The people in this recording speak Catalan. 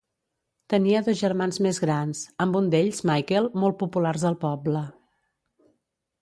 Tenia dos germans més grans, amb un d'ells, Michael, molt populars al poble.